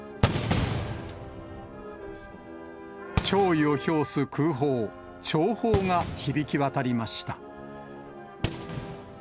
弔意を表す空砲、弔砲が響き渡りました。